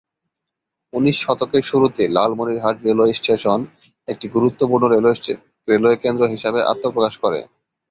উনিশ শতকের শুরুতে লালমনিরহাট রেলওয়ে স্টেশন একটি গুরুত্বপূর্ণ রেলওয়ে কেন্দ্র হিসাবে আত্মপ্রকাশ করে।